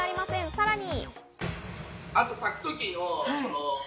さらに。